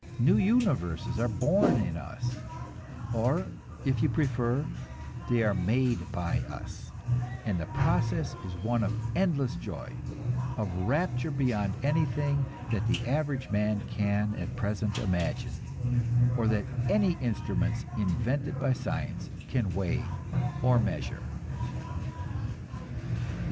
New universes are born in us, or, if you prefer, they are made by us; and the process is one of endless joy, of rapture beyond anything that the average man can at present imagine, or that any instruments invented by science can weigh or measure.